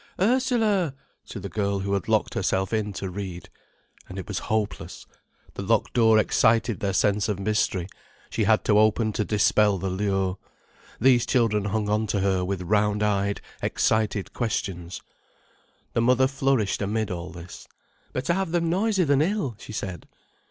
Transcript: Ursula!" to the girl who had locked herself in to read. And it was hopeless. The locked door excited their sense of mystery, she had to open to dispel the lure. These children hung on to her with round eyed excited questions. The mother flourished amid all this. "Better have them noisy than ill," she said.